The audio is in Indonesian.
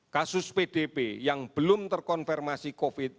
kasus pdp yang belum terkonfirmasi covid sembilan